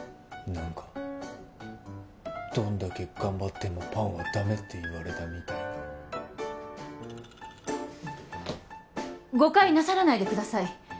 何かどんだけ頑張ってもパンはダメって言われたみたいな誤解なさらないでください